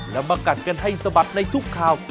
แล้วมากัดกันให้สะบัดในทุกข่าว